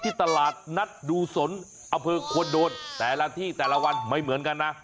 ตลาดนัดดูสนอำเภอควรโดนแต่ละที่แต่ละวันไม่เหมือนกันนะ